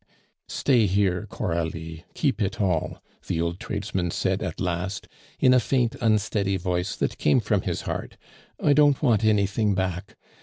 "Stay here, Coralie; keep it all," the old tradesman said at last, in a faint, unsteady voice that came from his heart; "I don't want anything back.